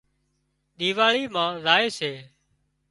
ۮِيواۯي مان زائي سي